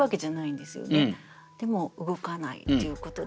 でも動かないっていうことで。